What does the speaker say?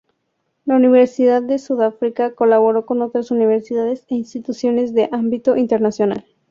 La Universidad de Sudáfrica colabora con otras universidades e instituciones de ámbito internacional.